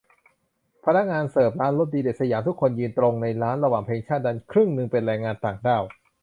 พนักงานเสิร์ฟร้านรสดีเด็ด สยาม ทุกคนยืนตรง ในร้าน ระหว่างเพลงชาติดัง ครึ่งนึงเป็นแรงงานต่างด้าว